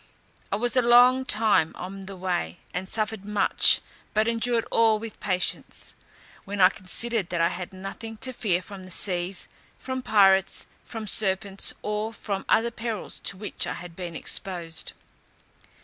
I was a long time on the way, and suffered much, but endured all with patience, when I considered that I had nothing to fear from the seas, from pirates, from serpents, or from the other perils to which I had been exposed.